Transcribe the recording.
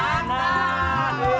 oh ini lagunya